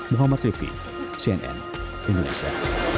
muhammad rifi cnn indonesia